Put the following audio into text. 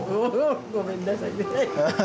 ごめんなさいね。